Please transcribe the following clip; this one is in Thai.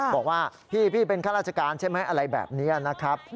บอกว่าพี่เป็นข้าราชการใช่ไหมอะไรแบบนี้นะครับ